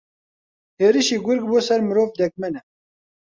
ھێرشی گورگ بۆسەر مرۆڤ دەگمەنە